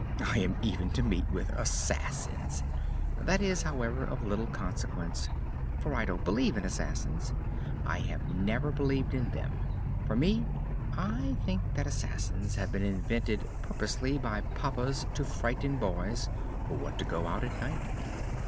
I am even to meet with assassins! That is, however, of little consequence, for I don't believe in assassins I have never believed in them. For me, I think that assassins have been invented purposely by papas to frighten boys who want to go out at night.